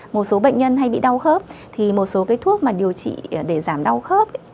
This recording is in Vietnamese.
một số bệnh nhân hay bị đau khớp thì một số thuốc điều trị để giảm đau khớp